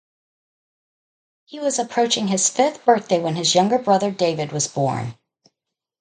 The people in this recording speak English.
He was approaching his fifth birthday when his younger brother David was born.